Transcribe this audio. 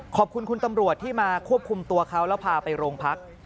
ขอบคุณคุณตำรวจที่มาควบคุมตัวเขาแล้วพาไปโรงพัก